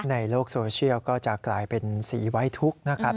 ในโลกโซเชียลก็จะกลายเป็นสีไว้ทุกข์นะครับ